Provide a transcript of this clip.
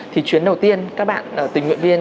thì chuyến đầu tiên các bạn tình nguyện viên